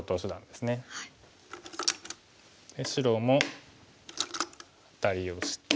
で白も対応して。